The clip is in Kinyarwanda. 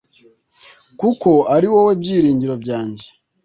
kuko ari wowe byiringiro byanjye